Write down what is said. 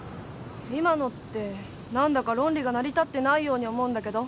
今のって何だか論理が成り立ってないように思うんだけど。